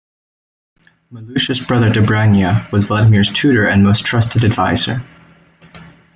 Malusha's brother Dobrynya was Vladimir's tutor and most trusted advisor.